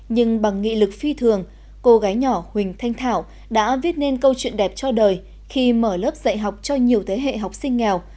nhưng bằng nghị lực phi thường cô gái nhỏ huỳnh thanh thảo đã viết nên câu chuyện đẹp cho đời khi mở lớp dạy học cho nhiều thế hệ học sinh nghèo